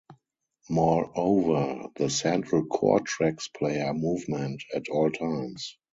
Moreover, the central core tracks player movement at all times.